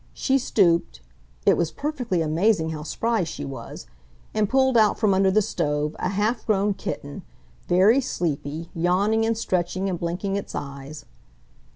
She stooped—it was perfectly amazing how spry she was—and pulled out from under the stove a half grown kitten, very sleepy, yawning and stretching, and blinking its eyes.